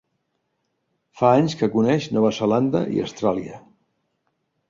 Fa anys que coneix Nova Zelanda i Austràlia.